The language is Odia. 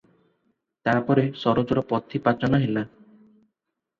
ତା ପରେ ସରୋଜର ପଥି ପାଚନ ହେଲା ।